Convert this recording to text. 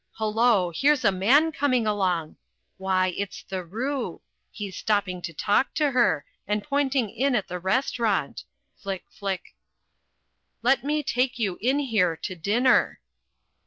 Hullo! here's a man coming along! Why, it's the Roo; he's stopping to talk to her, and pointing in at the restaurant Flick, flick! "LET ME TAKE YOU IN HERE TO DINNER."